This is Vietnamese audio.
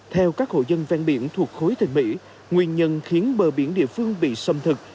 theo các hộ dân ven biển thuộc khối thành mỹ nguyên nhân khiến bờ biển địa phương bị xâm thực